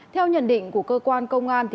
theo nhận định của cơ quan công an